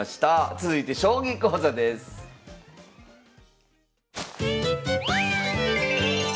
続いて将棋講座です。